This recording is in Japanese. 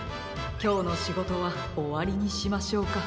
きょうのしごとはおわりにしましょうか。